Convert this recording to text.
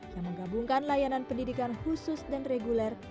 yang menggabungkan layanan pendidikan khusus dan reguler